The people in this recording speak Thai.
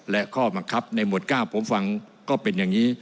และข้อบังคับในหมวด๙ผมฟังก็เป็นอย่างนี้